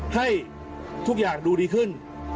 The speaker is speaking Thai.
ให้ทุกอย่างดูดีขึ้น